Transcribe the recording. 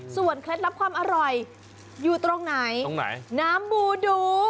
เคล็ดลับความอร่อยอยู่ตรงไหนตรงไหนน้ำบูดู